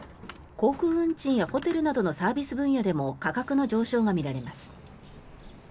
航空運賃やホテルなどのサービス分野でも価格の上昇が見られます。